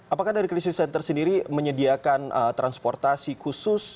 apakah dari krisis center sendiri menyediakan transportasi khusus